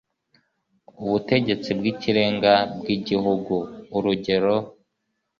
Ubutegetsi bw'ikirenga bw'igihugu Urugero :